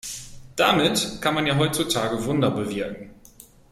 Damit kann man ja heutzutage Wunder bewirken.